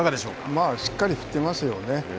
まあ、しっかり振ってますよね。